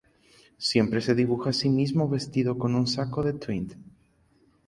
Siempre se dibuja a sí mismo vestido con un saco de tweed.